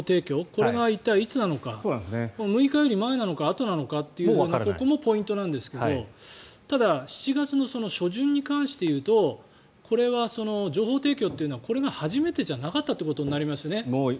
これが一体いつなのか６日より前なのかあとなのかここもポイントなんですがただ、７月の初旬に関していうとこれは情報提供というのはこれが初めてじゃなかったということになりますね。